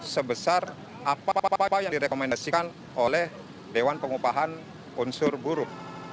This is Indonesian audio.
sebesar apa apa yang direkomendasikan oleh dewan pengupahan unsur buruh